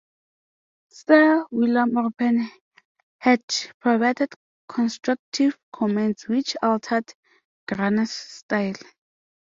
Sir William Orpen had provided constructive comments which altered Gruner's style.